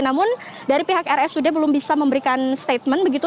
namun dari pihak rsud belum bisa memberikan statement begitu